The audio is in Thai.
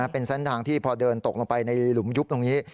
เป็นเส้นทางที่พอเดินตกลงไปในหลุมยุบตรงนี้